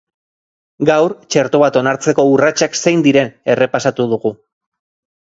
Gaur, txerto bat onartzeko urratsak zein diren errepasatu dugu.